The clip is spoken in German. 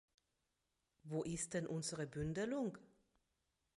Wo ist denn unsere Bündelung?